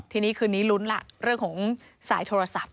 ทีนี้คืนนี้ลุ้นล่ะเรื่องของสายโทรศัพท์